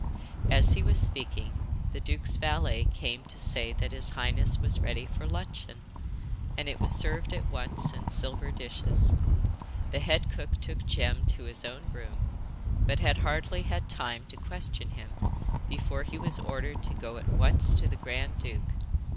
As he was speaking, the duke's valet came to say that his highness was ready for luncheon, and it was served at once in silver dishes. The head cook took Jem to his own room, but had hardly had time to question him before he was ordered to go at once to the grand duke.